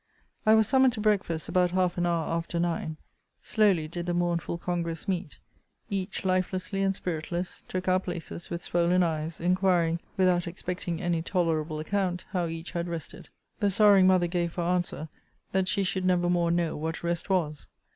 I was summoned to breakfast about half an hour after nine. Slowly did the mournful congress meet. Each, lifelessly and spiritless, took our places, with swoln eyes, inquiring, without expecting any tolerable account, how each had rested. The sorrowing mother gave for answer, that she should never more know what rest was.